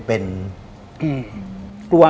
ดิงกระพวน